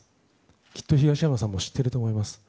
きっと東山さんも知っていると思います。